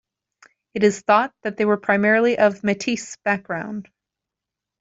It is thought that they were primarily of Metis background.